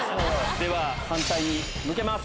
では、反対に向けます。